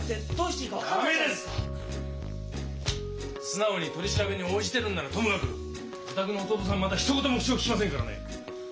素直に取り調べに応じてるんならともかくお宅の弟さんまだひと言も口をききませんからね。